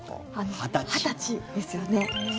２０歳ですよね。